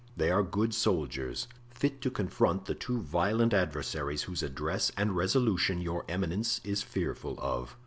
They are good soldiers, fit to confront the two violent adversaries whose address and resolution your eminence is fearful of."